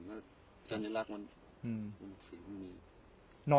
แสดงลักษณ์มีมีนิดนึง